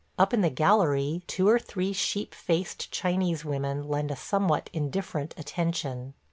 Up in the gallery two or three sheep faced Chinese women lend a somewhat indifferent attention.